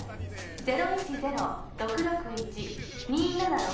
０１０−６６１−２７６６